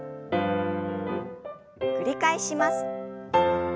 繰り返します。